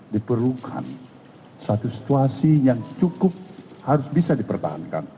diperlukan satu situasi yang cukup harus bisa dipertahankan